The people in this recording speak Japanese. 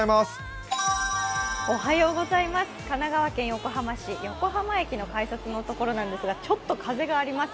神奈川県横浜市・横浜駅の改札のところなんですが、ちょっと風があります。